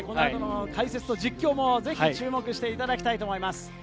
解説と実況もぜひ注目していただきたいと思います。